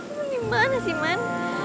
lo dimana sih man